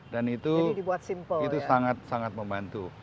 dan itu sangat sangat membantu